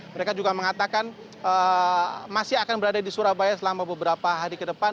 mereka juga mengatakan masih akan berada di surabaya selama beberapa hari ke depan